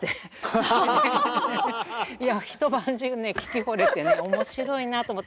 いや一晩中ね聴きほれてね面白いなと思って。